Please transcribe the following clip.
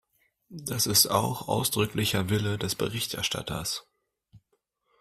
Das ist auch ausdrücklicher Wille des Berichterstatters.